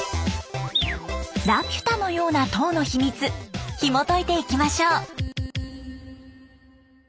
ラピュタのような塔の秘密ひもといていきましょう。